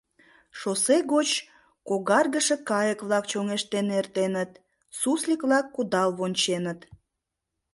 Шоссе гоч когаргыше кайык-влак чоҥештен эртеныт, суслик-влак кудал вонченыт.